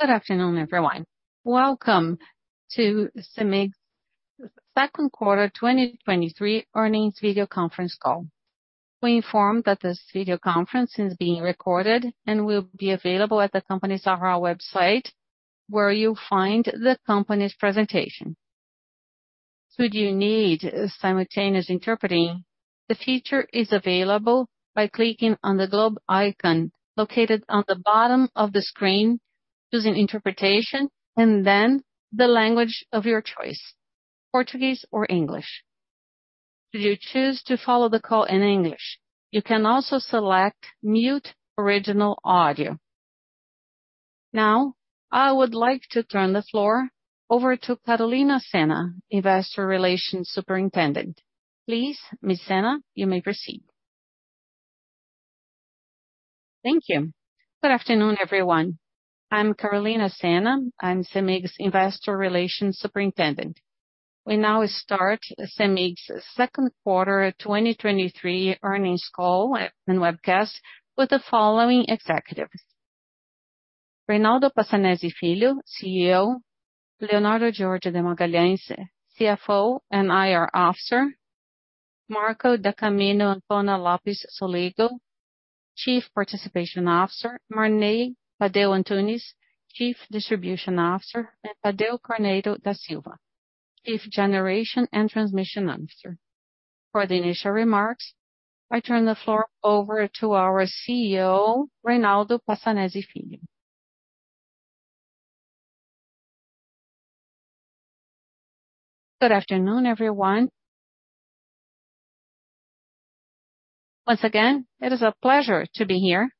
Good afternoon, everyone. Welcome to Cemig's Second Quarter 2023 Earnings Video Conference Call. We inform that this video conference is being recorded and will be available at the company's website, where you'll find the company's presentation. Should you need simultaneous interpreting, the feature is available by clicking on the globe icon located on the bottom of the screen, choosing interpretation, and then the language of your choice, Portuguese or English. If you choose to follow the call in English, you can also select Mute Original Audio. Now, I would like to turn the floor over to Carolina Sena, Investor Relations Superintendent. Please, Ms. Sena, you may proceed. Thank you. Good afternoon, everyone. I'm Carolina Sena. I'm Cemig's Investor Relations Superintendent. We now start Cemig's Second Quarter 2023 Earnings Call and Webcast with the following executives: Reynaldo Passanezi Filho, CEO; Leonardo George de Magalhães, CFO and IR Officer; Marco da Camino Ancona Lopez Soligo, Chief Participation Officer; Marney Tadeu de Oliveira, Chief Distribution Officer; and Thadeu Carneiro da Silva, Chief Generation and Transmission Officer. For the initial remarks, I turn the floor over to our CEO, Reynaldo Passanezi Filho. Good afternoon, everyone. Once again, it is a pleasure to be here,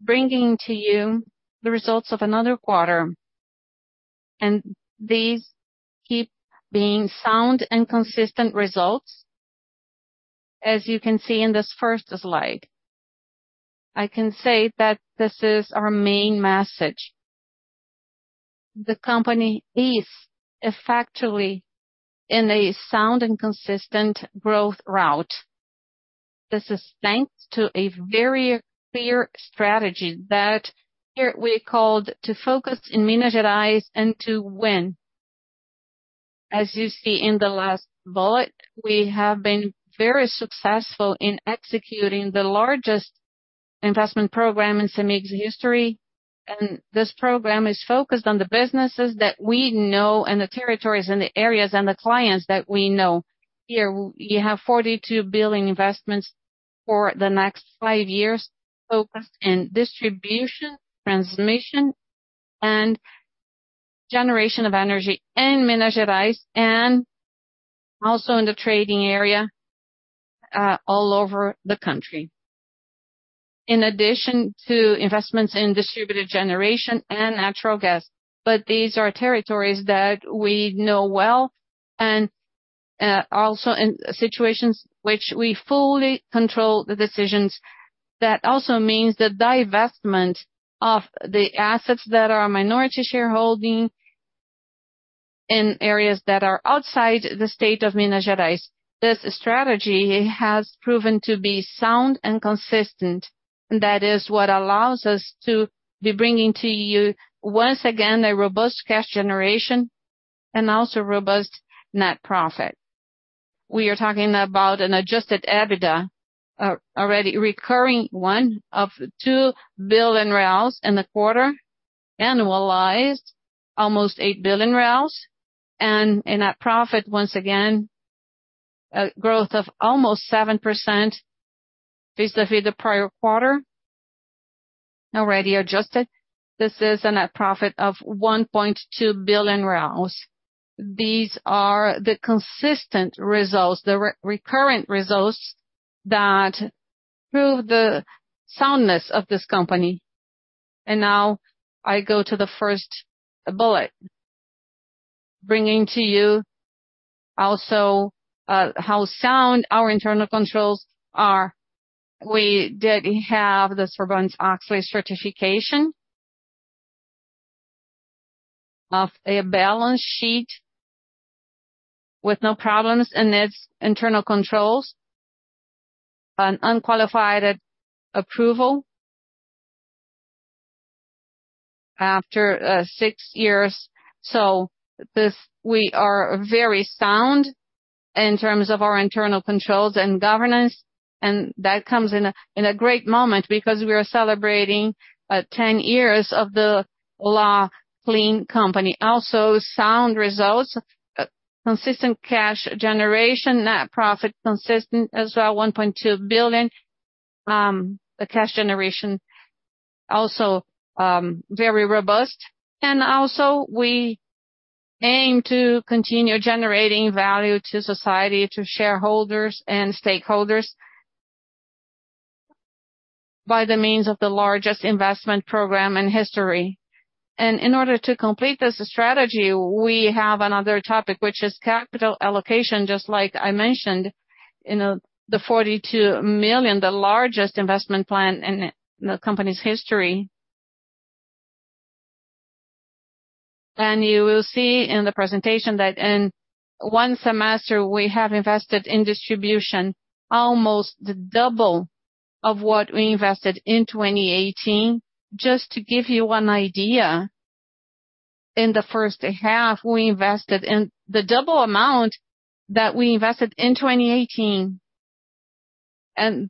bringing to you the results of another quarter, and these keep being sound and consistent results, as you can see in this first slide. I can say that this is our main message. The company is effectively in a sound and consistent growth route. This is thanks to a very clear strategy that here we called To Focus in Minas Gerais and To Win. As you see in the last bullet, we have been very successful in executing the largest investment program in CEMIG's history, and this program is focused on the businesses that we know and the territories and the areas and the clients that we know. Here, you have 42 billion investments for the next five years, focused in distribution, transmission, and generation of energy in Minas Gerais and also in the trading area, all over the country. In addition to investments in distributed generation and natural gas, but these are territories that we know well and, also in situations which we fully control the decisions. That also means the divestment of the assets that are minority shareholding in areas that are outside the state of Minas Gerais. This strategy has proven to be sound and consistent. That is what allows us to be bringing to you, once again, a robust cash generation and also robust net profit. We are talking about an adjusted EBITDA, already recurring one of 2 billion reais in the quarter, annualized, almost 8 billion reais. In that profit, once again, a growth of almost 7% vis-à-vis the prior quarter, already adjusted. This is a net profit of 1.2 billion. These are the consistent results, the re-recurrent results that prove the soundness of this company. Now I go to the first bullet, bringing to you also how sound our internal controls are. We did have the Sarbanes-Oxley certification of a balance sheet with no problems in its internal controls, an unqualified approval after six years. This-- we are very sound in terms of our internal controls and governance, and that comes in a great moment because we are celebrating 10 years of the Clean Company Act. Also, sound results, consistent cash generation, net profit, consistent as well, $1.2 billion. The cash generation also very robust. Also, we aim to continue generating value to society, to shareholders and stakeholders by the means of the largest investment program in history. In order to complete this strategy, we have another topic, which is capital allocation, just like I mentioned, in the $42 million, the largest investment plan in the company's history.... You will see in the presentation that in 1 semester, we have invested in distribution almost the double of what we invested in 2018. Just to give you one idea, in the first half, we invested in the double amount that we invested in 2018.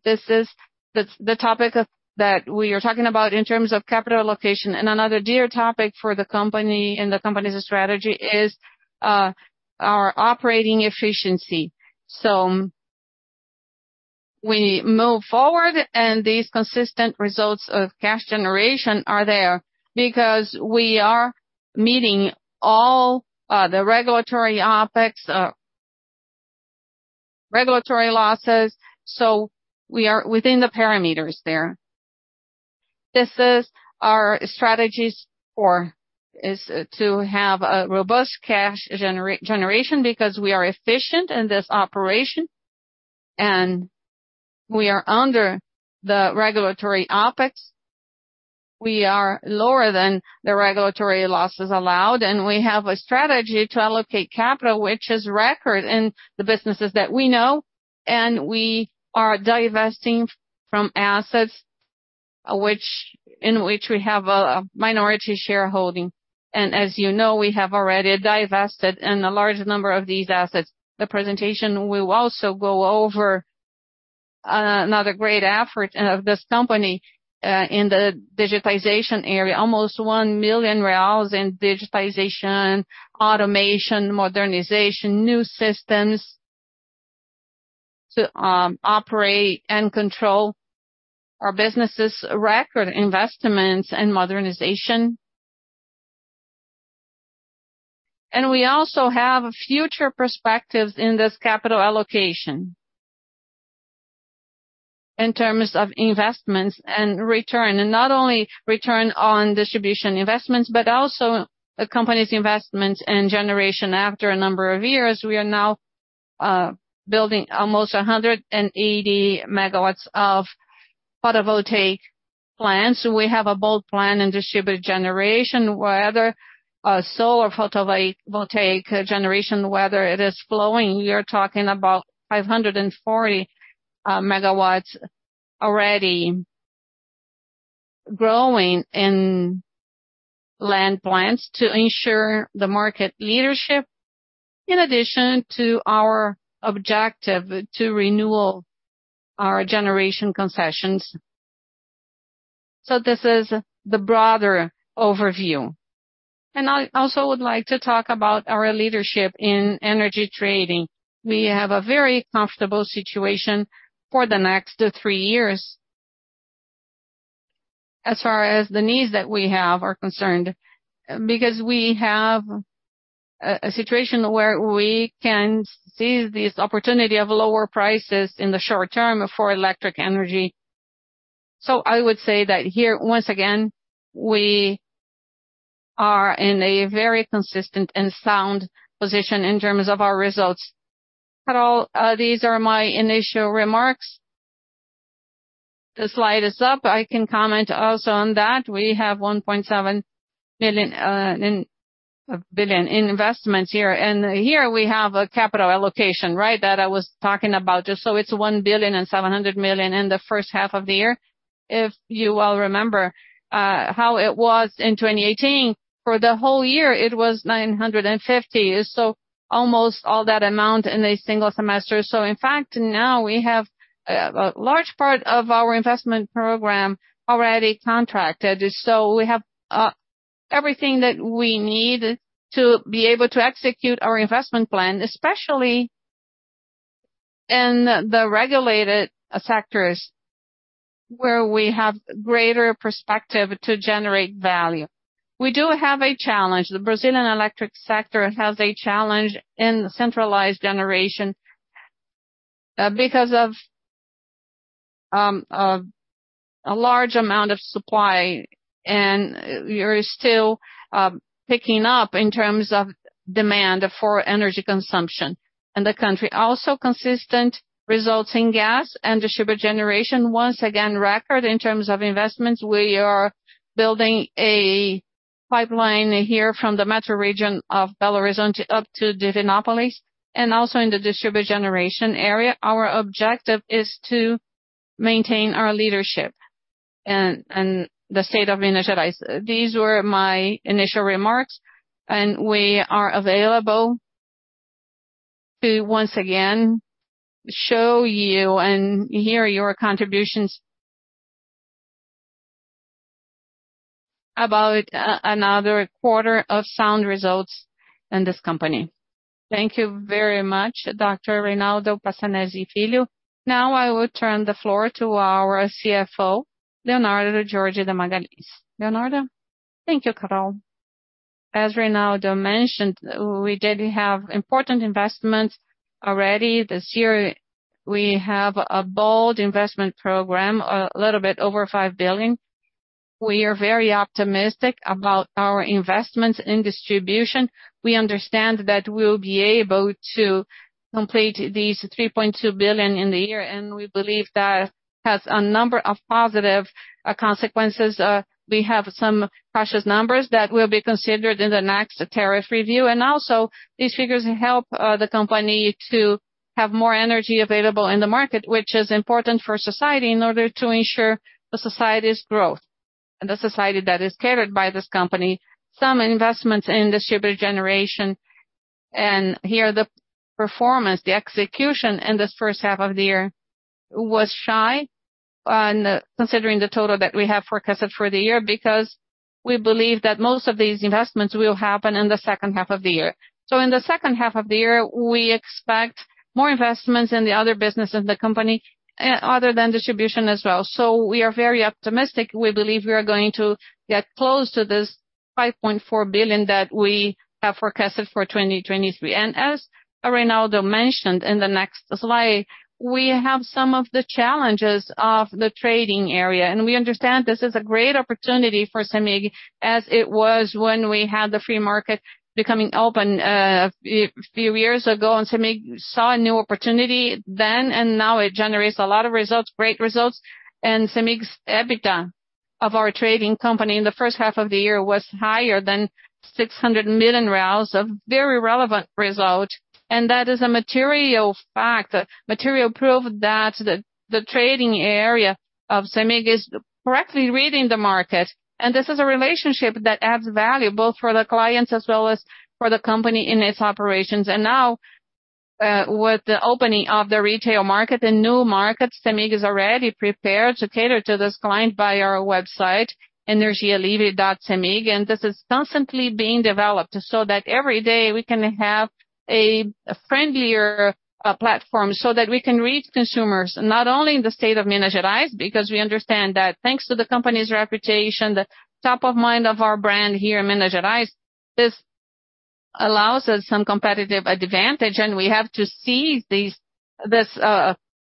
This is the topic of that we are talking about in terms of capital allocation. Another dear topic for the company and the company's strategy is our operating efficiency. We move forward, and these consistent results of cash generation are there because we are meeting all the regulatory OPEX, regulatory losses, so we are within the parameters there. This is our strategies for is to have a robust cash generation, because we are efficient in this operation, and we are under the regulatory OPEX. We are lower than the regulatory losses allowed. We have a strategy to allocate capital, which is record in the businesses that we know, and we are divesting from assets in which we have a minority shareholding. As you know, we have already divested in a large number of these assets. The presentation will also go over another great effort of this company in the digitization area, almost 1 million reais in digitization, automation, modernization, new systems to operate and control our businesses, record investments and modernization. We also have future perspectives in this capital allocation. In terms of investments and return, not only return on distribution investments, but also the company's investments and generation after a number of years. We are now building almost 180 megawatts of photovoltaic plants. We have a bold plan in distributed generation, whether solar photovoltaic generation, whether it is flowing, we are talking about 540 megawatts already growing in land plants to ensure the market leadership, in addition to our objective to renewal our generation concessions. This is the broader overview. I also would like to talk about our leadership in energy trading. We have a very comfortable situation for the next three years, as far as the needs that we have are concerned, because we have a, a situation where we can see this opportunity of lower prices in the short term for electric energy. I would say that here, once again, we are in a very consistent and sound position in terms of our results. These are my initial remarks. The slide is up. I can comment also on that. We have 1.7 billion in investments here. Here, we have a capital allocation, right? That I was talking about, just so it's 1.7 billion in the first half of the year. If you well remember, how it was in 2018, for the whole year, it was 950 million, so almost all that amount in a single semester. In fact, now we have a large part of our investment program already contracted. We have everything that we need to be able to execute our investment plan, especially in the regulated sectors, where we have greater perspective to generate value. We do have a challenge. The Brazilian electric sector has a challenge in centralized generation because of a large amount of supply, we are still picking up in terms of demand for energy consumption. The country also consistent results in gas and distributed generation. Once again, record in terms of investments, we are building a pipeline here from the metro region of Belo Horizonte up to Divinópolis, and also in the distributed generation area. Our objective is to maintain our leadership and the state of Minas Gerais. These were my initial remarks, and we are available to once again show you, and hear your contributions about another quarter of sound results in this company. Thank you very much, Reynaldo Passanezi Filho. Now, I will turn the floor to our CFO, Leonardo Gheorghe de Magalhaes. Leonardo? Thank you, Carol. As Reynaldo mentioned, we did have important investments already this year. We have a bold investment program, a little bit over 5 billion. We are very optimistic about our investments in distribution. We understand that we'll be able to complete these 3.2 billion in the year, and we believe that has a number of positive consequences. We have some precious numbers that will be considered in the next tariff review, and also these figures help the company have more energy available in the market, which is important for society in order to ensure the society's growth, and the society that is catered by this company. Some investments in distributed generation, and here, the performance, the execution in this first half of the year was shy on considering the total that we have forecasted for the year, because we believe that most of these investments will happen in the second half of the year. In the second half of the year, we expect more investments in the other business of the company, other than distribution as well. We are very optimistic. We believe we are going to get close to this $5.4 billion that we have forecasted for 2023. As Reynaldo mentioned in the next slide, we have some of the challenges of the trading area, and we understand this is a great opportunity for Cemig, as it was when we had the free market becoming open a few years ago, Cemig saw a new opportunity then, and now it generates a lot of results, great results. Cemig's EBITDA of our trading company in the first half of the year was higher than 600 million, a very relevant result, and that is a material fact, a material proof that the trading area of Cemig is correctly reading the market. This is a relationship that adds value both for the clients as well as for the company in its operations. Now, with the opening of the retail market, the new market, CEMIG is already prepared to cater to this client by our website, energiaelivre.cemig. This is constantly being developed so that every day we can have a friendlier platform, so that we can reach consumers, not only in the state of Minas Gerais, because we understand that thanks to the company's reputation, the top of mind of our brand here in Minas Gerais, this allows us some competitive advantage, and we have to seize this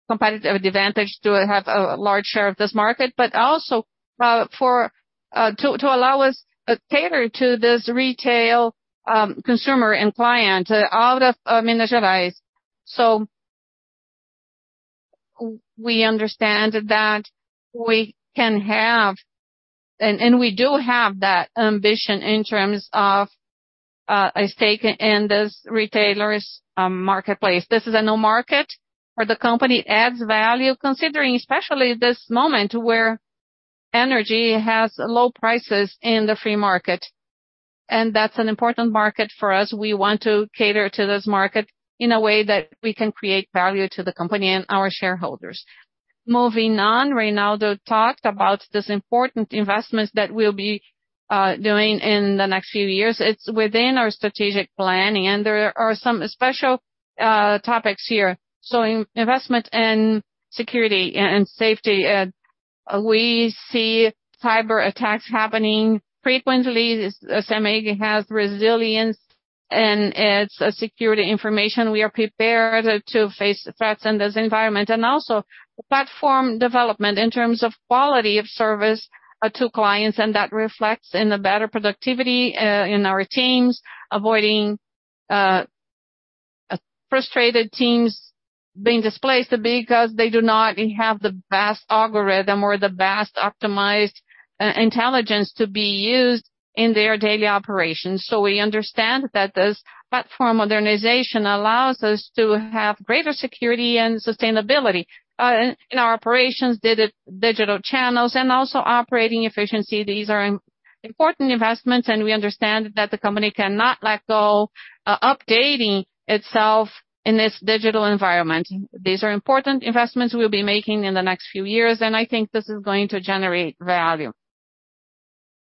competitive advantage to have a large share of this market, but also, for to allow us cater to this retail consumer and client out of Minas Gerais. We understand that we can have, and, and we do have that ambition in terms of a stake in this retailers' marketplace. This is a new market, where the company adds value, considering especially this moment where energy has low prices in the free market. That's an important market for us. We want to cater to this market in a way that we can create value to the company and our shareholders. Moving on, Reynaldo talked about this important investments that we'll be doing in the next few years. It's within our strategic planning, and there are some special topics here. In investment in security and safety, we see cyber attacks happening frequently. Cemig has resilience, and it's a security information. We are prepared to face threats in this environment, also platform development in terms of quality of service to clients, that reflects in the better productivity in our teams, avoiding frustrated teams being displaced because they do not have the best algorithm or the best optimized intelligence to be used in their daily operations. We understand that this platform organization allows us to have greater security and sustainability in our operations, digital channels, also operating efficiency. These are important investments, we understand that the company cannot let go updating itself in this digital environment. These are important investments we'll be making in the next few years, I think this is going to generate value.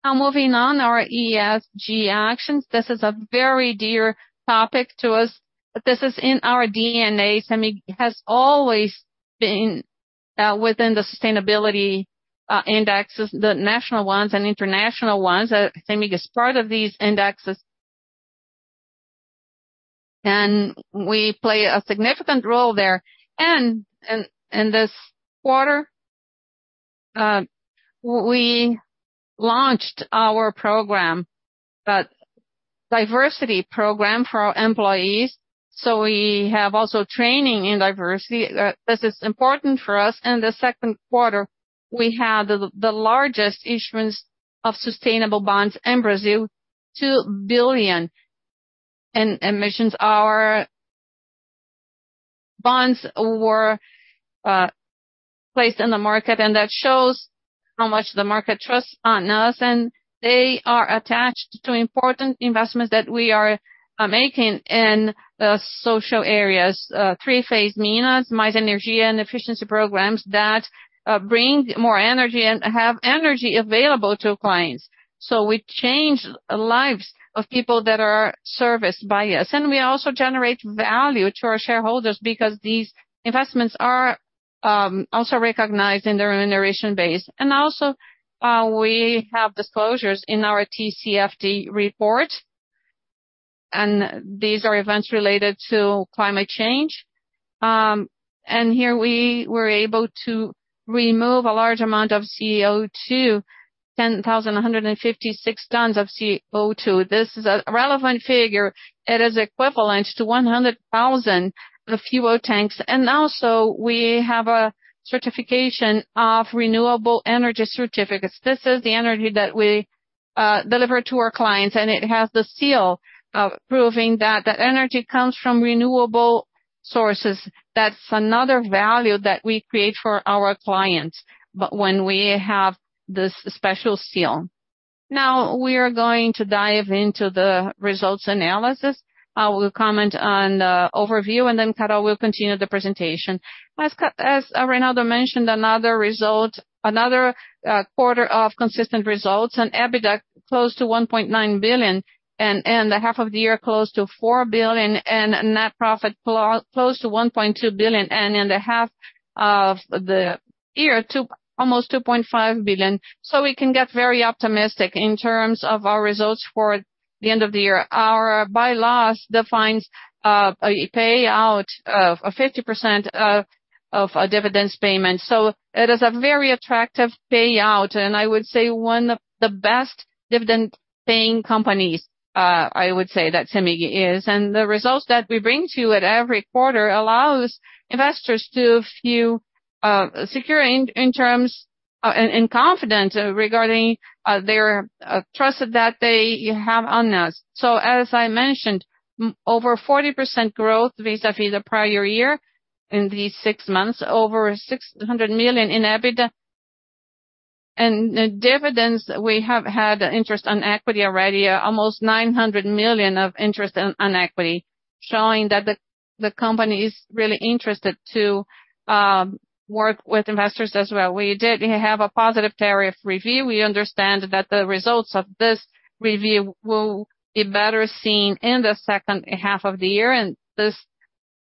Moving on, our ESG actions. This is a very dear topic to us. This is in our DNA. Cemig has always been within the sustainability indexes, the national ones and international ones. Cemig is part of these indexes. We play a significant role there. In this quarter, we launched our program, a diversity program for our employees, so we have also training in diversity. This is important for us. In the second quarter, we had the largest issuance of sustainable bonds in Brazil, 2 billion in emissions. Our bonds were placed in the market, and that shows how much the market trusts on us, and they are attached to important investments that we are making in the social areas. three phase Minas, Mais Energia and efficiency programs that bring more energy and have energy available to clients. We change lives of people that are serviced by us, and we also generate value to our shareholders because these investments are also recognized in the remuneration base. Also, we have disclosures in our TCFD report, and these are events related to climate change. Here we were able to remove a large amount of CO2, 10,156 tons of CO2. This is a relevant figure. It is equivalent to 100,000 fuel tanks. Also, we have a certification of renewable energy certificates. This is the energy that we delivered to our clients, and it has the seal of proving that the energy comes from renewable sources. That's another value that we create for our clients, but when we have this special seal. Now, we are going to dive into the results analysis. I will comment on the overview, and then Carol will continue the presentation. As as Reynaldo mentioned, another result, another quarter of consistent results, and EBITDA close to 1.9 billion, and, and the half of the year, close to 4 billion, and a net profit close to 1.2 billion, and in the half of the year, almost 2.5 billion. We can get very optimistic in terms of our results for the end of the year. Our bylaws defines a payout of 50% of, of our dividends payments, so it is a very attractive payout, and I would say one of the best dividend-paying companies, I would say, that Cemig is. The results that we bring to you at every quarter allows investors to feel secure in terms and confident regarding their trust that they have on us. As I mentioned, over 40% growth vis-a-vis the prior year in these six months, over 600 million in EBITDA. The dividends, we have had interest on equity already, almost 900 million of interest on equity, showing that the company is really interested to work with investors as well. We did have a positive tariff review. We understand that the results of this review will be better seen in the second half of the year. This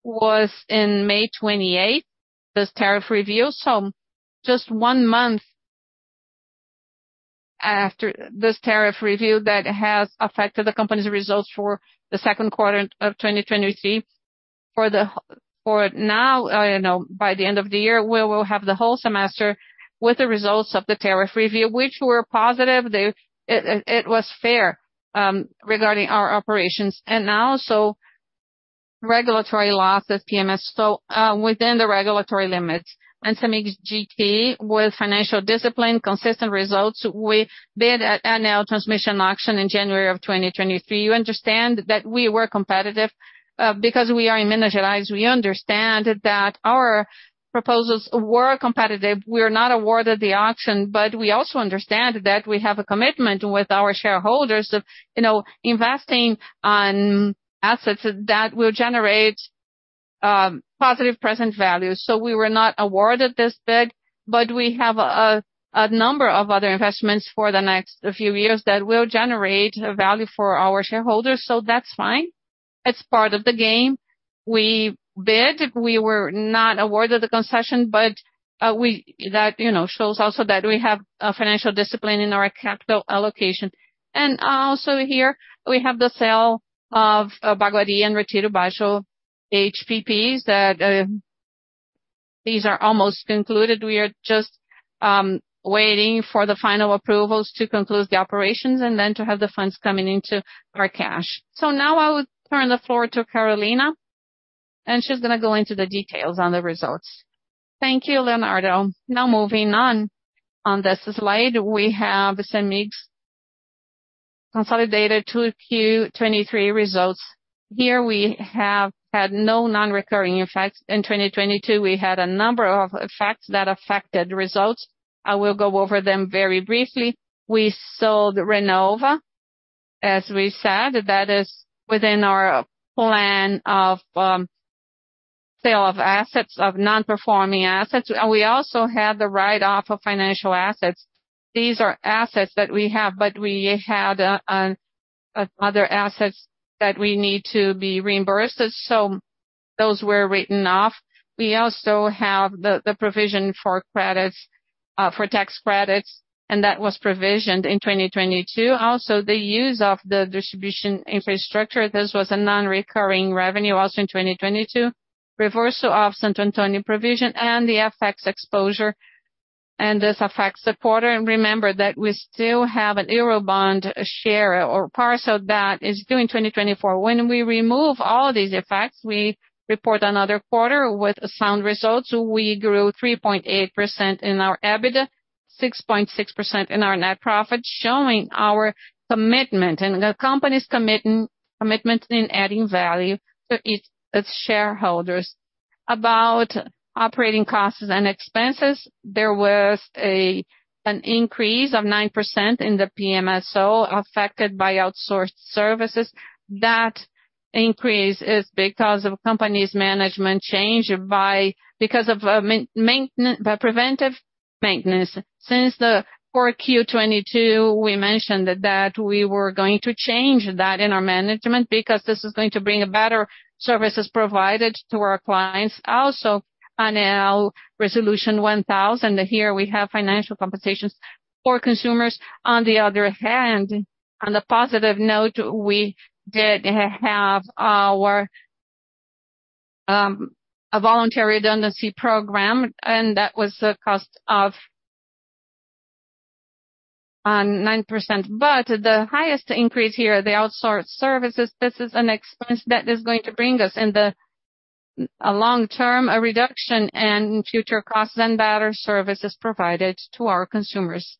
was in May 28, this tariff review. Just one month after this tariff review that has affected the company's results for the second quarter of 2023. For now, you know, by the end of the year, we will have the whole semester with the results of the tariff review, which were positive. It was fair regarding our operations. Also, regulatory losses, PMS, so, within the regulatory limits. Cemig GT, with financial discipline, consistent results, we bid at ANEEL transmission auction in January of 2023. You understand that we were competitive because we are industrialized. We understand that our proposals were competitive. We were not awarded the auction, but we also understand that we have a commitment with our shareholders of, you know, investing on assets that will generate positive present value. We were not awarded this bid, but we have a number of other investments for the next few years that will generate value for our shareholders, that's fine. It's part of the game. We bid, we were not awarded the concession, That, you know, shows also that we have a financial discipline in our capital allocation. Also here, we have the sale of Baguari and Retiro Baixo HPPs that These are almost concluded. We are just waiting for the final approvals to conclude the operations and then to have the funds coming into our cash. Now I will turn the floor to Carolina, and she's gonna go into the details on the results. Thank you, Leonardo. Now, moving on. On this slide, we have CEMIG's consolidated 2Q 2023 results. Here, we have had no non-recurring effects. In 2022, we had a number of effects that affected results. I will go over them very briefly. We sold Renova. As we said, that is within our plan of sale of assets, of non-performing assets. We also had the write-off of financial assets. These are assets that we have, but we had other assets that we need to be reimbursed, so those were written off. We also have the, the provision for credits for tax credits, and that was provisioned in 2022. Also, the use of the distribution infrastructure, this was a non-recurring revenue, also in 2022. Reversal of Santo Antônio provision and the FX exposure, and this affects the quarter. Remember that we still have an Eurobond share or parcel that is due in 2024. When we remove all these effects, we report another quarter with sound results. We grew 3.8% in our EBITDA, 6.6% in our net profit, showing our commitment and the company's commitment in adding value to its shareholders. About operating costs and expenses, there was an increase of 9% in the PMSO, affected by outsourced services. That increase is because of company's management change because of preventive maintenance. Since the 4Q 2022, we mentioned that we were going to change that in our management, because this is going to bring a better services provided to our clients. Also, on our Resolution 1,000, here we have financial compensations for consumers. On the other hand, on a positive note, we did have our a voluntary redundancy program, and that was a cost of 9%. The highest increase here, the outsourced services, this is an expense that is going to bring us a long term, a reduction in future costs and better services provided to our consumers.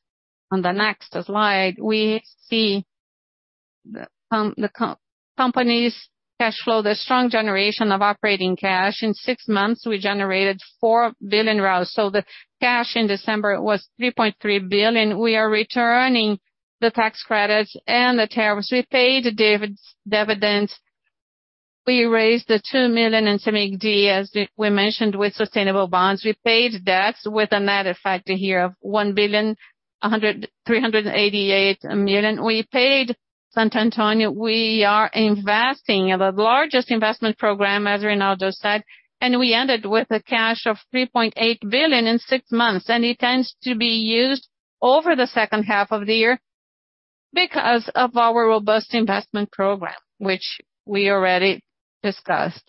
On the next slide, we see the company's cash flow, the strong generation of operating cash. In six months, we generated 4 billion reais. The cash in December was 3.3 billion. We are returning the tax credits and the tariffs. We paid the dividends. We raised 2 million in Cemig D, as we mentioned, with sustainable bonds. We paid debts with a net effect here of BRL 1.388 billion. We paid Santo Antônio. We are investing in the largest investment program, as Reynaldo said. We ended with a cash of $3.8 billion in six months, and it tends to be used over the 2nd half of the year because of our robust investment program, which we already discussed.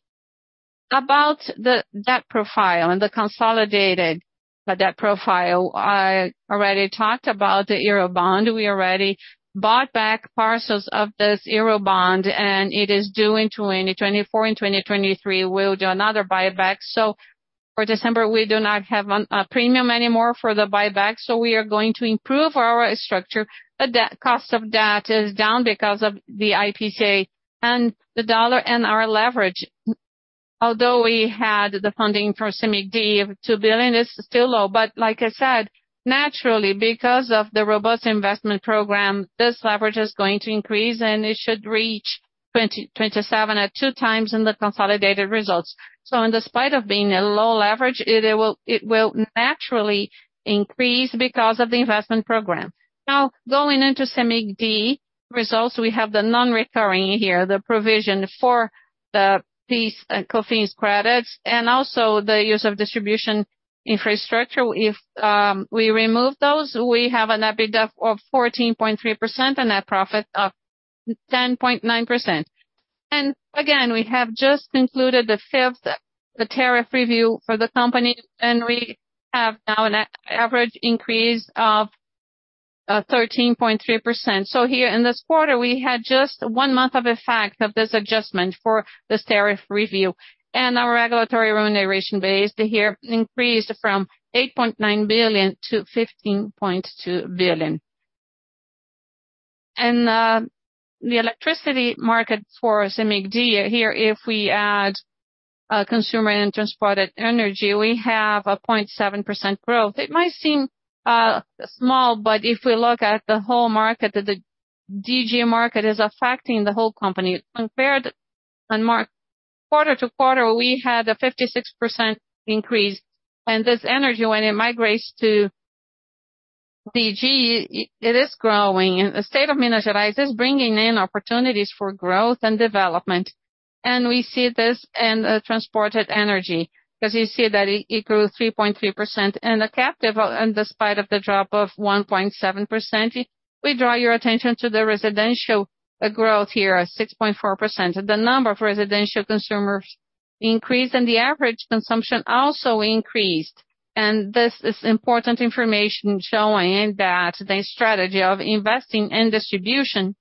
About the debt profile and the consolidated debt profile, I already talked about the Eurobond. We already bought back parcels of this Eurobond, and it is due in 2024, and 2023, we'll do another buyback. For December, we do not have a premium anymore for the buyback, so we are going to improve our structure. The cost of debt is down because of the IPCA and the dollar and our leverage. Although we had the funding for Cemig D of $2 billion, it's still low. Like I said, naturally, because of the robust investment program, this leverage is going to increase, and it should reach 2027 at 2 times in the consolidated results. In despite of being a low leverage, it will naturally increase because of the investment program. Going into Cemig D results, we have the non-recurring here, the provision for the PIS/COFINS credits and also the use of distribution infrastructure. If we remove those, we have an EBITDA of 14.3% and net profit of 10.9%. Again, we have just included the fifth, the tariff review for the company, and we have now an average increase of 13.3%. Here in this quarter, we had just one month of effect of this adjustment for this tariff review, our regulatory remuneration base here increased from 8.9 billion to 15.2 billion. The electricity market for Cemig D here, if we add consumer and transported energy, we have a 0.7% growth. It might seem small, but if we look at the whole market, the DG market is affecting the whole company. Compared on quarter-to-quarter, we had a 56% increase, and this energy, when it migrates to DG, it, it is growing, and the state of Minas Gerais is bringing in opportunities for growth and development. We see this in transported energy, because you see that it, it grew 3.3% and the captive, and despite of the drop of 1.7%, we draw your attention to the residential growth here of 6.4%. The number of residential consumers increased, and the average consumption also increased. This is important information showing that the strategy of investing in distribution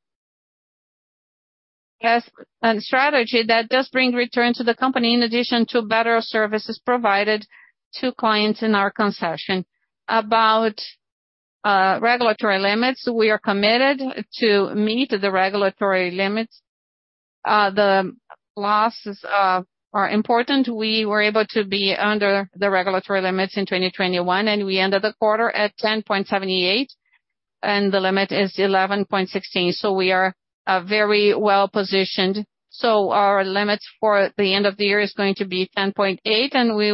has a strategy that does bring return to the company, in addition to better services provided to clients in our concession. About regulatory limits, we are committed to meet the regulatory limits. The losses are important. We were able to be under the regulatory limits in 2021, and we ended the quarter at 10.78, and the limit is 11.16. We are very well positioned. Our limits for the end of the year is going to be 10.8, and we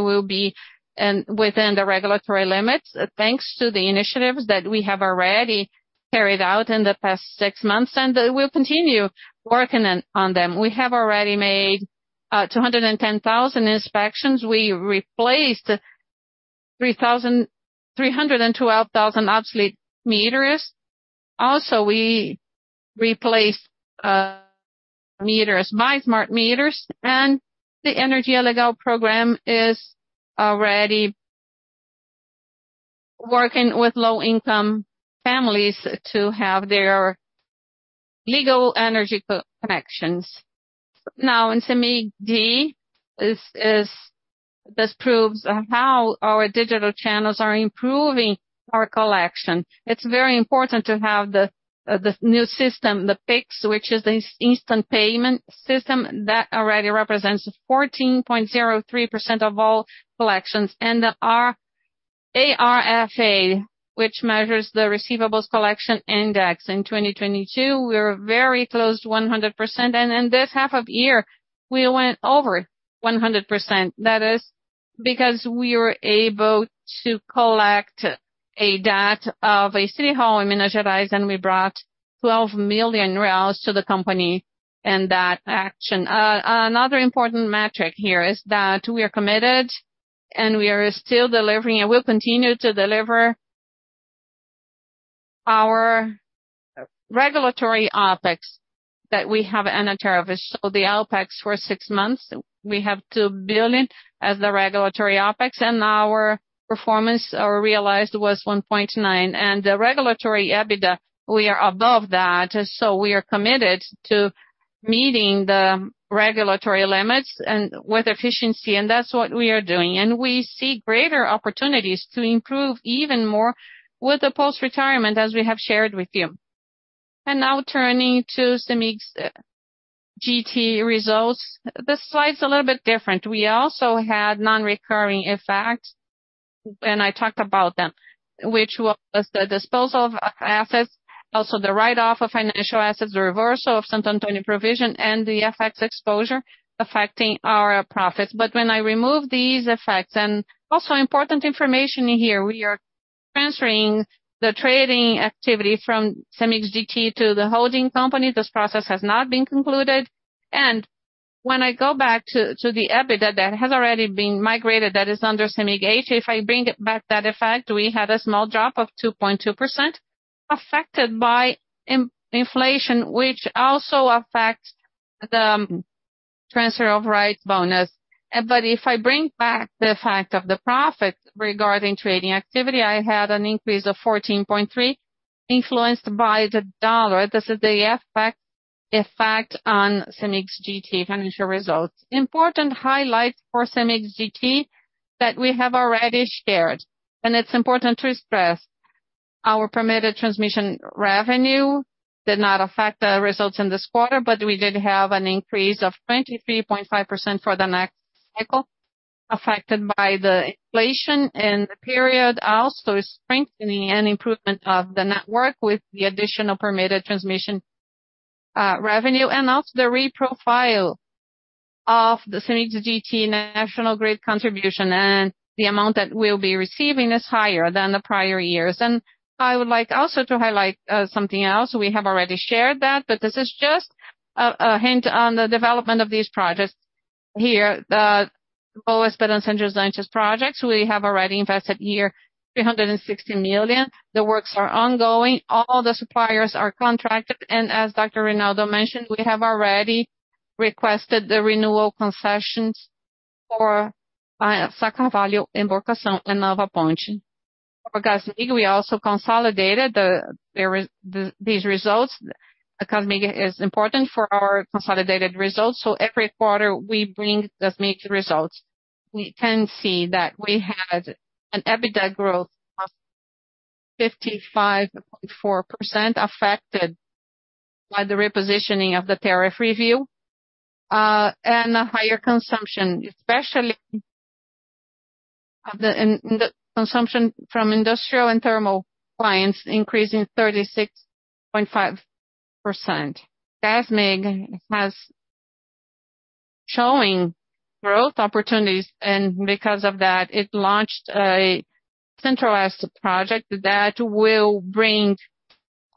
will be within the regulatory limits. Thanks to the initiatives that we have already carried out in the past six months, and we'll continue working on, on them. We have already made 210,000 inspections. We replaced 312,000 obsolete meters. Also, we replaced meters by smart meters, and the Energia Legal program is already working with low-income families to have their legal energy co-connections. Now, in Cemig D, this proves how our digital channels are improving our collection. It's very important to have the new system, the Pix, which is this instant payment system that already represents 14.03% of all collections, and our ARFA, which measures the receivables collection index. In 2022, we were very close to 100%, and in this half of year, we went over 100%. That is because we were able to collect a debt of a city hall in Minas Gerais, and we brought 12 million reais to the company in that action. Another important metric here is that we are committed, and we are still delivering, and we'll continue to deliver our regulatory OPEX that we have in our service. The OPEX for six months, we have 2 billion as the regulatory OPEX, and our performance or realized was 1.9. The regulatory EBITDA, we are above that. We are committed to meeting the regulatory limits and with efficiency, and that's what we are doing. We see greater opportunities to improve even more with the post-retirement, as we have shared with you. Now turning to CEMIG's GT results. This slide's a little bit different. We also had non-recurring effects, and I talked about them, which was the disposal of assets, also the write-off of financial assets, the reversal of Santo Antônio provision, and the effects exposure affecting our profits. When I remove these effects. Also important information here, we are transferring the trading activity from Cemig GT to the holding company. This process has not been concluded. When I go back to the EBITDA that has already been migrated, that is under Cemig GT. If I bring it back, that effect, we had a small drop of 2.2%, affected by in-inflation, which also affects the transfer of rights bonus. If I bring back the effect of the profit regarding trading activity, I had an increase of 14.3, influenced by the dollar. This is the effect, effect on Cemig GT financial results. Important highlights for Cemig GT that we have already shared, and it's important to stress, our permitted transmission revenue did not affect the results in this quarter, but we did have an increase of 23.5% for the next cycle, affected by the inflation in the period. Strengthening and improvement of the network with the additional permitted transmission revenue, the reprofile of the Cemig GT national grid contribution, and the amount that we'll be receiving is higher than the prior years. I would like also to highlight something else. We have already shared that, this is just a hint on the development of these projects here. The Oeste and Centro-Oeste projects, we have already invested here, 360 million. The works are ongoing, all the suppliers are contracted, as Dr. Reynaldo mentioned, we have already requested the renewal concessions for Sacramento Valeo and Emborcação and Nova Ponte. For Gasmig, we also consolidated these results. Gasmig is important for our consolidated results, every quarter we bring the Gasmig results. We can see that we had an EBITDA growth of 55.4%, affected by the repositioning of the tariff review, a higher consumption, especially in the consumption from industrial and thermal clients, increasing 36.5%. Gasmig has showing growth opportunities, because of that, it launched a centralized project that will bring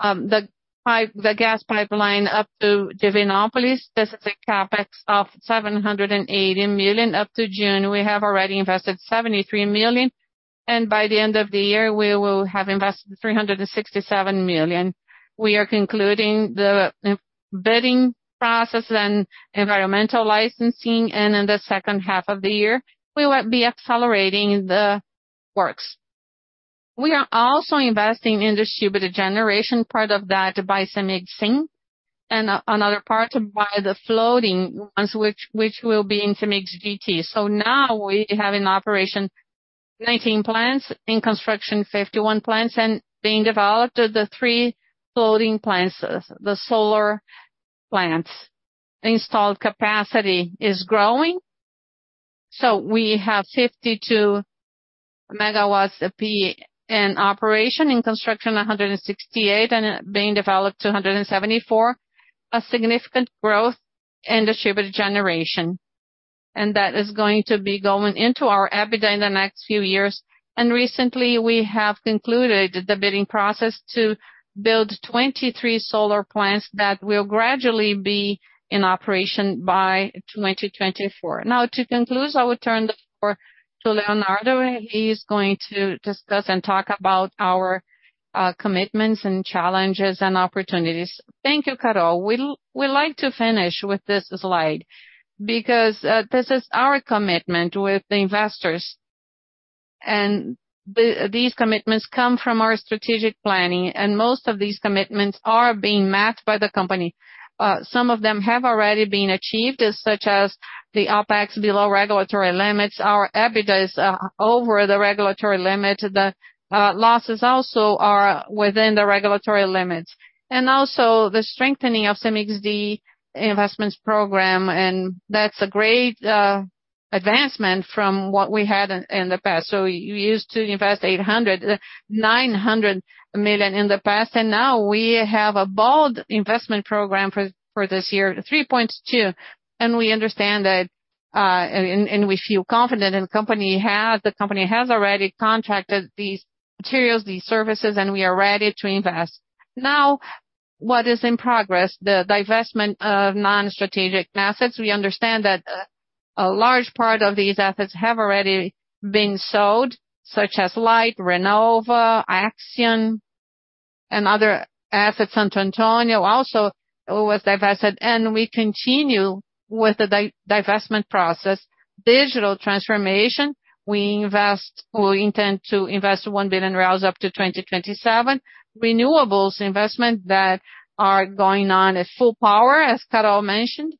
the gas pipeline up to Divinópolis. This is a CapEx of 780 million. Up to June, we have already invested 73 million, by the end of the year, we will have invested 367 million. We are concluding the bidding process and environmental licensing, in the second half of the year, we will be accelerating the works. We are also investing in distributed generation, part of that by Cemig SIM, another part by the floating ones, which will be in Cemig GT. Now we have in operation 19 plants, in construction, 51 plants, and being developed are the 3 floating plants, the solar plants. Installed capacity is growing, we have 52 megawatts peak in operation, in construction, 168, and being developed, 274. A significant growth in distributed generation, that is going to be going into our EBITDA in the next few years. Recently, we have concluded the bidding process to build 23 solar plants that will gradually be in operation by 2024. Now, to conclude, I will turn the floor to Leonardo, and he is going to discuss and talk about our commitments and challenges and opportunities. Thank you, Carol. We'd like to finish with this slide because this is our commitment with the investors. These commitments come from our strategic planning, and most of these commitments are being met by the company. Some of them have already been achieved, such as the OpEx below regulatory limits. Our EBITDA is over the regulatory limit. The losses also are within the regulatory limits, also the strengthening of Cemig D investments program, and that's a great advancement from what we had in the past. We used to invest 800 million-900 million in the past, now we have a bold investment program for this year, 3.2 billion. We understand that we feel confident, the company has already contracted these materials, these services, and we are ready to invest. Now, what is in progress? The divestment of non-strategic assets. We understand that a large part of these assets have already been sold, such as Light, Renova, Acciona, and other assets. Santo Antônio also was divested, we continue with the divestment process. digital transformation, we invest, or we intend to invest 1 billion reais up to 2027. Renewables investment that are going on at full power, as Carol mentioned.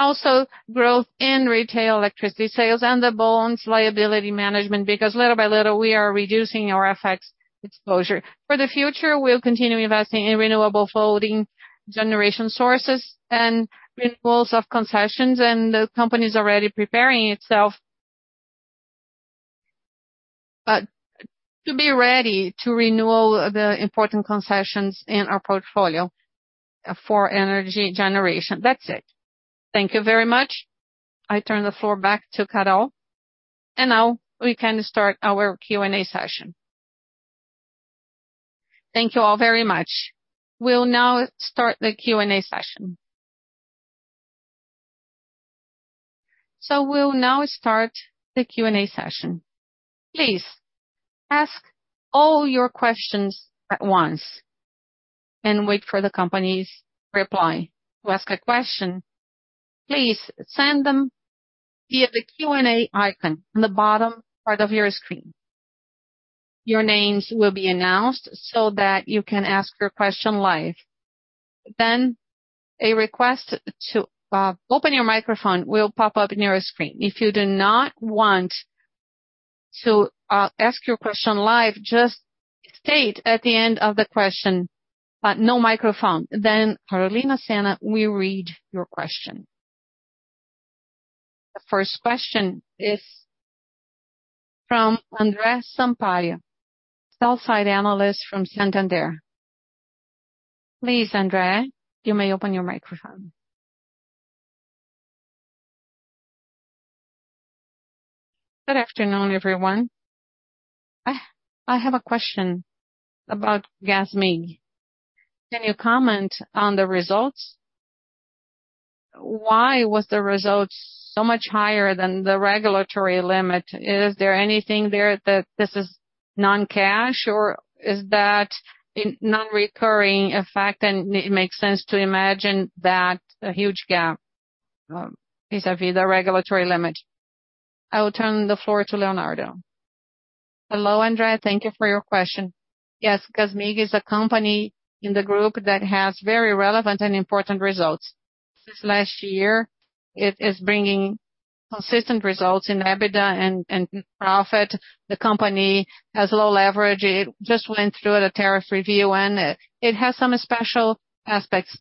Also, growth in retail, electricity sales, and the bonds liability management, because little by little, we are reducing our FX exposure. For the future, we'll continue investing in renewable floating generation sources and renewals of concessions, and the company is already preparing itself. To be ready to renew all the important concessions in our portfolio for energy generation. That's it. Thank you very much. I turn the floor back to Carol, and now we can start our Q&A session. Thank you all very much. We'll now start the Q&A session. We'll now start the Q&A session. Please, ask all your questions at once, and wait for the company's reply. To ask a question, please send them via the Q&A icon on the bottom part of your screen. Your names will be announced so that you can ask your question live. A request to open your microphone will pop up in your screen. If you do not want to ask your question live, just state at the end of the question, no microphone, then Carolina Sena will read your question. The first question is from Andrea Sampaio, sell-side analyst from Santander. Please, Andrea, you may open your microphone. Good afternoon, everyone. I, I have a question about Gasmig. Can you comment on the results? Why was the results so much higher than the regulatory limit? Is there anything there that this is non-cash, or is that a non-recurring effect, and it makes sense to imagine that a huge gap vis-à-vis the regulatory limit? I will turn the floor to Leonardo. Hello, Andrea. Thank you for your question. Yes, Gasmig is a company in the group that has very relevant and important results. Since last year, it is bringing consistent results in EBITDA and profit. The company has low leverage. It just went through the tariff review, and it, it has some special aspects.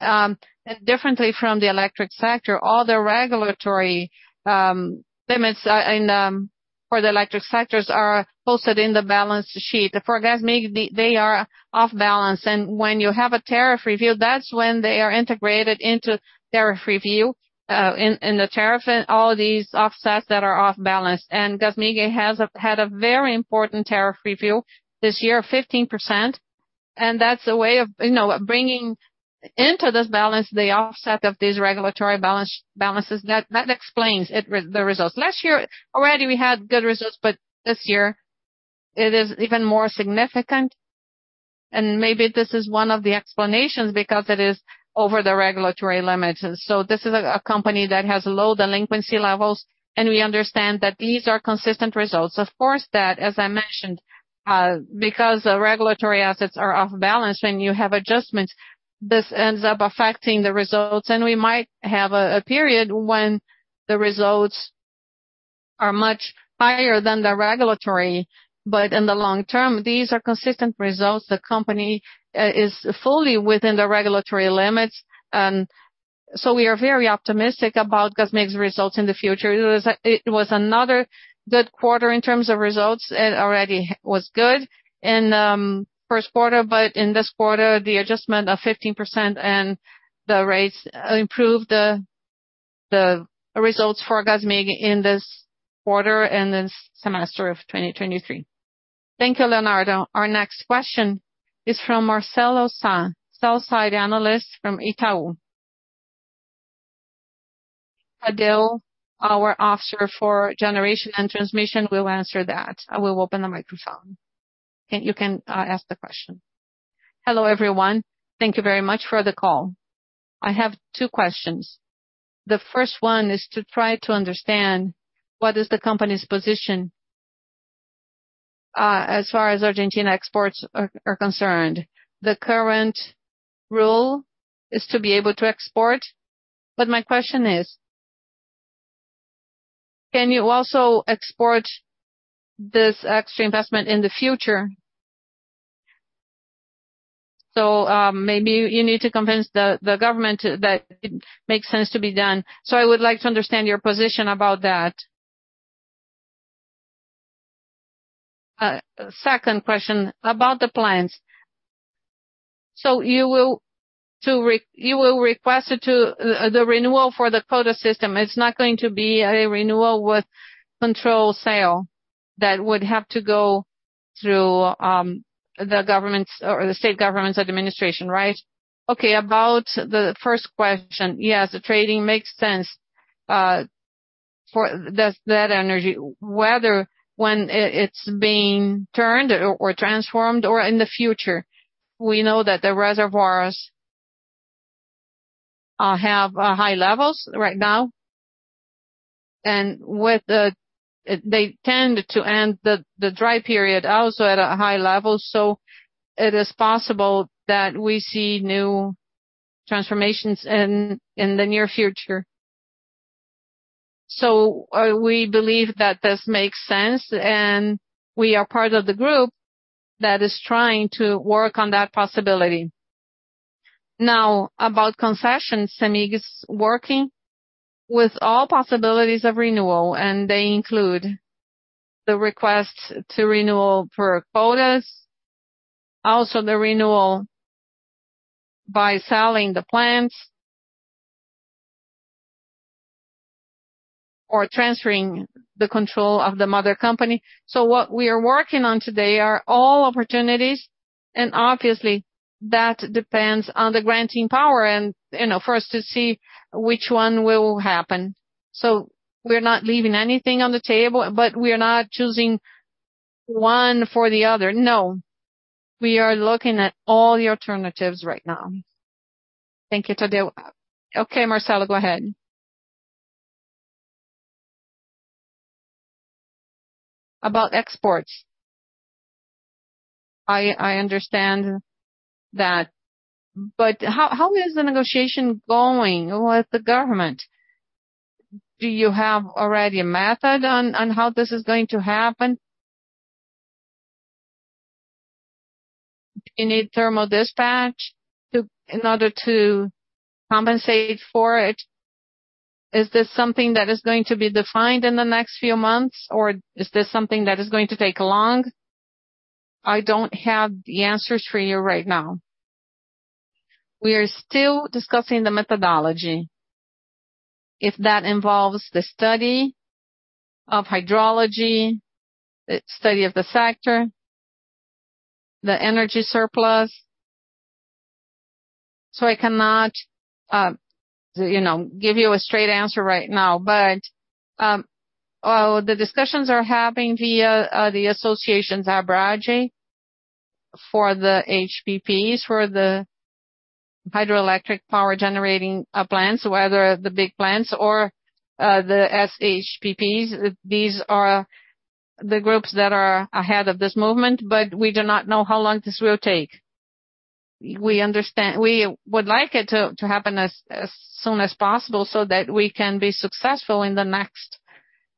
Differently from the electric sector, all the regulatory limits in for the electric sectors are posted in the balance sheet. For Gasmig, they are off balance, and when you have a tariff review, that's when they are integrated into tariff review in the tariff, and all these offsets that are off balance. Gasmig had a very important tariff review this year, 15%, and that's a way of, you know, bringing into this balance the offset of these regulatory balance. That explains it, the results. Last year, already we had good results, but this year it is even more significant, and maybe this is one of the explanations, because it is over the regulatory limits. This is a company that has low delinquency levels, and we understand that these are consistent results. Of course, that, as I mentioned, because the regulatory assets are off balance, when you have adjustments, this ends up affecting the results, and we might have a period when the results are much higher than the regulatory, but in the long term, these are consistent results. The company is fully within the regulatory limits, and so we are very optimistic about Gasmig's results in the future. It was another good quarter in terms of results. It already was good in first quarter, but in this quarter, the adjustment of 15% and the rates improved the results for Gasmig in this quarter and this semester of 2023. Thank you, Leonardo. Our next question is from Marcelo Sá, sell side analyst from Itaú. Adele, our officer for generation and transmission, will answer that. I will open the microphone, and you can ask the question. Hello, everyone. Thank you very much for the call. I have two questions. The first one is to try to understand what is the company's position as far as Argentina exports are concerned. The current rule is to be able to export, my question is: Can you also export this extra investment in the future? Maybe you need to convince the government that it makes sense to be done. I would like to understand your position about that. 2nd question, about the plans. You will request to the renewal for the quota system, it's not going to be a renewal with controlled sale that would have to go through the government's or the state government's administration, right? Okay, about the 1st question, yes, the trading makes sense for that, that energy, whether when it, it's being turned or, or transformed or in the future. We know that the reservoirs-... Have high levels right now. With the, they tend to end the dry period also at a high level. It is possible that we see new transformations in the near future. We believe that this makes sense. We are part of the group that is trying to work on that possibility. About concessions, Cemig is working with all possibilities of renewal. They include the request to renewal for quotas, also the renewal by selling the plants or transferring the control of the mother company. What we are working on today are all opportunities. Obviously, that depends on the granting power and, you know, for us to see which one will happen. We're not leaving anything on the table. We are not choosing one for the other. No. We are looking at all the alternatives right now. Thank you, Tadeu. Okay, Marcelo, go ahead. How, how is the negotiation going with the government? Do you have already a method on, on how this is going to happen? You need thermal dispatch in order to compensate for it. Is this something that is going to be defined in the next few months, or is this something that is going to take long? I don't have the answers for you right now. We are still discussing the methodology. If that involves the study of hydrology, the study of the factor, the energy surplus, I cannot, you know, give you a straight answer right now. The discussions are happening via the associations, ABRAGE, for the HPPs, for the hydroelectric power generating plants, whether the big plants or the SHPPs. These are the groups that are ahead of this movement. We do not know how long this will take. We would like it to happen as soon as possible so that we can be successful in the next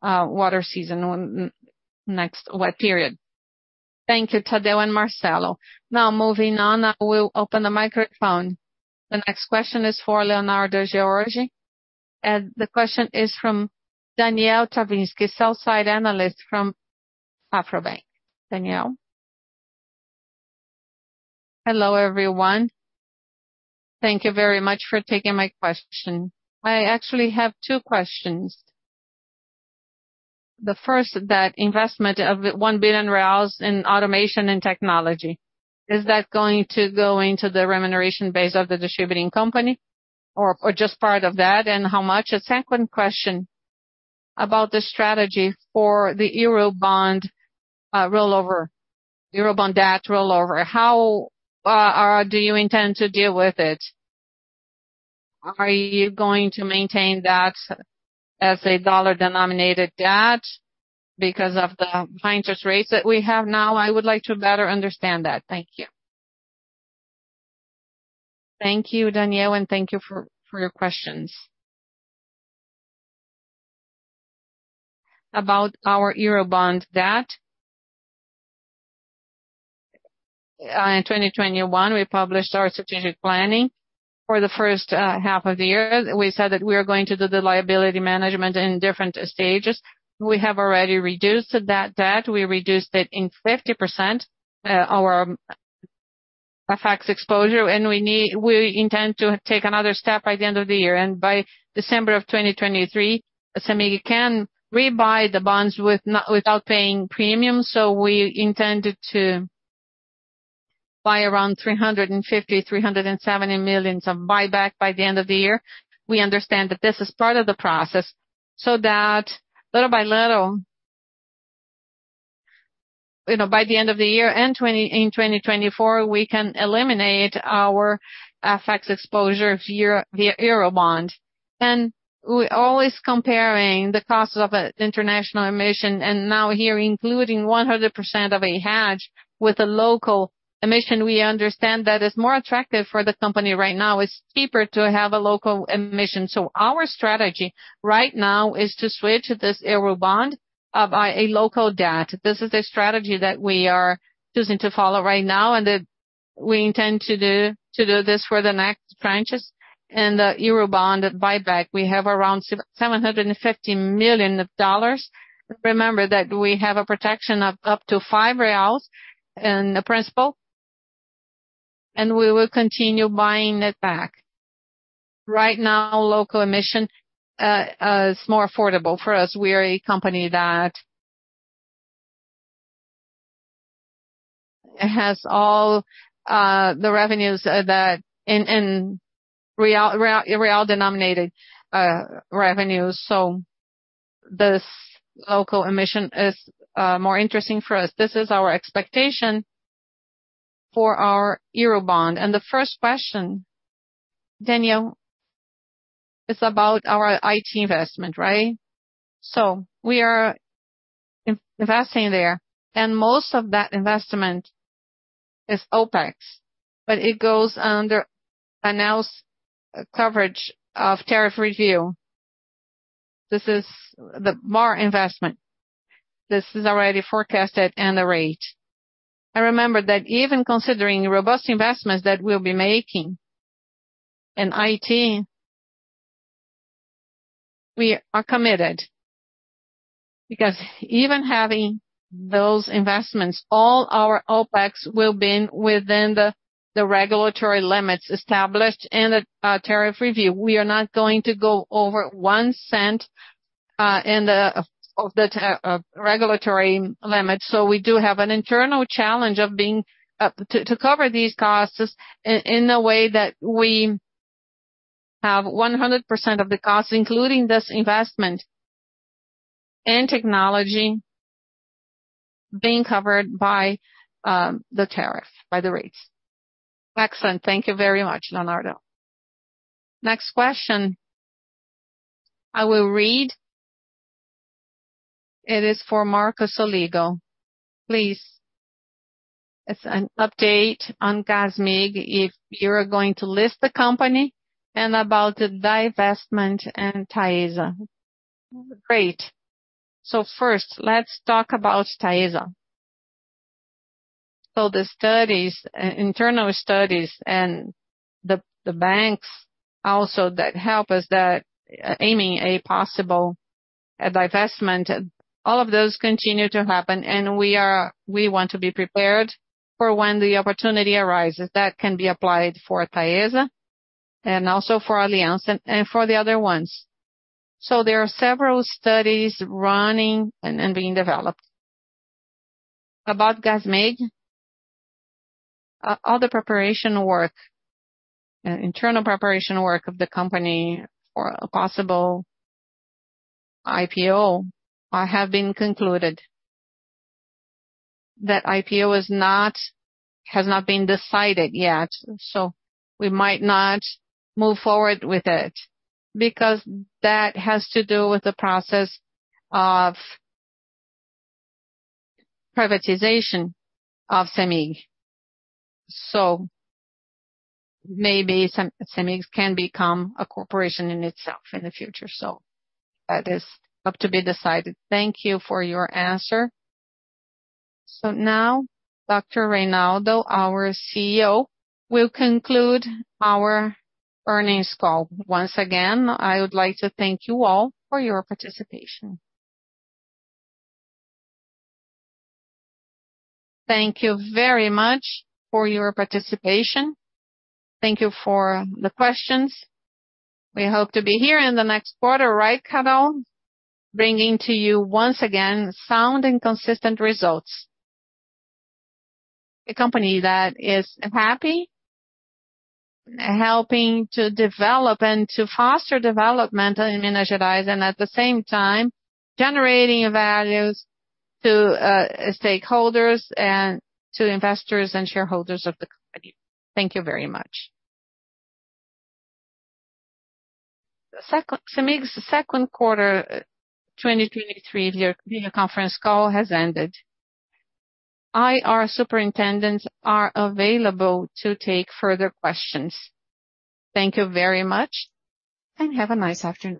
water season, on next wet period. Thank you, Tadeu and Marcelo. Moving on, I will open the microphone. The next question is for Leonardo Gheorghe. The question is from Danielle Travinski, sell side analyst from Afribank. Danielle? Hello, everyone. Thank you very much for taking my question. I actually have two questions. The first, that investment of 1 billion reais in automation and technology, is that going to go into the remuneration base of the distributing company or, or just part of that, and how much? The second question, about the strategy for the eurobond rollover, eurobond debt rollover, how do you intend to deal with it? Are you going to maintain that as a dollar-denominated debt because of the high interest rates that we have now? I would like to better understand that. Thank you. Thank you, Danielle, and thank you for, for your questions. About our eurobond debt, in 2021, we published our strategic planning for the first half of the year. We said that we are going to do the liability management in different stages. We have already reduced that debt. We reduced it in 50% our FX exposure, we intend to take another step by the end of the year. By December of 2023, Cemig can rebuy the bonds without paying premium, so we intended to buy around $350 million-$370 million of buyback by the end of the year. We understand that this is part of the process, so that little by little, you know, by the end of the year in 2024, we can eliminate our FX exposure via, via eurobond. We're always comparing the cost of an international emission, and now here, including 100% of a hedge with a local emission, we understand that it's more attractive for the company right now. It's cheaper to have a local emission. Our strategy right now is to switch this Eurobond by a local debt. This is the strategy that we are choosing to follow right now, and that we intend to do, to do this for the next franchise. The Eurobond buyback, we have around $750 million. Remember that we have a protection of up to 5 reais in the principal, and we will continue buying it back. Right now, local emission is more affordable for us. We are a company that has all the revenues that... And real-denominated revenues, so this local emission is more interesting for us. This is our expectation for our Eurobond. The first question, Daniel, is about our IT investment, right? We are investing there, and most of that investment is OpEx, but it goes under announced coverage of tariff review. This is the more investment. This is already forecasted and a rate. Remember that even considering robust investments that we'll be making in IT, we are committed. Because even having those investments, all our OpEx will be within the regulatory limits established in the tariff review. We are not going to go over 1 cent in the regulatory limit. We do have an internal challenge of being to cover these costs in a way that we have 100% of the costs, including this investment and technology, being covered by the tariff, by the rates. Excellent. Thank you very much, Leonardo. Next question I will read, it is for Marco Soligo. Please, it's an update on Gasmig, if you're going to list the company, and about the divestment and Taesa. Great. First, let's talk about Taesa. The studies, internal studies and the, the banks also that help us, that aiming a possible, a divestment, all of those continue to happen, and we are-- we want to be prepared for when the opportunity arises. That can be applied for Taesa, and also for Aliança and, and for the other ones. There are several studies running and, and being developed. About Gasmig, all the preparation work, internal preparation work of the company for a possible IPO, have been concluded. That IPO is not, has not been decided yet, so we might not move forward with it, because that has to do with the process of privatization of CEMIG. Maybe CEMIG can become a corporation in itself in the future. That is up to be decided. Thank you for your answer. Now, Dr. Reynaldo, our CEO, will conclude our earnings call. Once again, I would like to thank you all for your participation. Thank you very much for your participation. Thank you for the questions. We hope to be here in the next quarter, right, Carol? Bringing to you, once again, sound and consistent results. A company that is happy, helping to develop and to foster development in Minas Gerais, and at the same time, generating values to stakeholders and to investors and shareholders of the company. Thank you very much. CEMIG's Second Quarter 2023 via Conference Call has ended. Our superintendents are available to take further questions. Thank you very much, and have a nice afternoon.